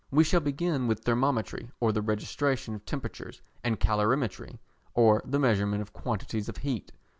We shall begin with Thermometry, or the registration of temperatures, and Calorimetry, or the measurement of quantities of heat.